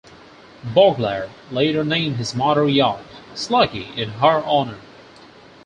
Bogart later named his motor yacht "Sluggy" in her honor.